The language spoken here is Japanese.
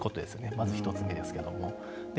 まず一つ目ですけれども。